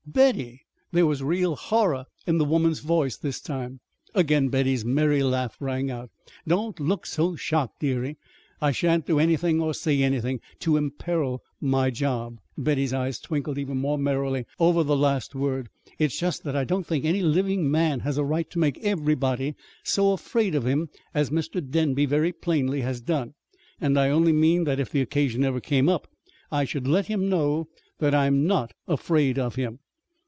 "Betty!" There was real horror in the woman's voice this time. Again Betty's merry laugh rang out. "Don't look so shocked, dearie. I shan't do anything or say anything to imperil my my job." (Betty's eyes twinkled even more merrily over the last word.) "It's just that I don't think any living man has a right to make everybody so afraid of him as Mr. Denby very plainly has done. And I only mean that if the occasion ever came up, I should let him know that I am not afraid of him."